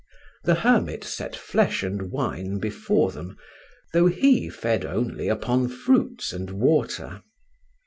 The hermit set flesh and wine before them, though he fed only upon fruits and water.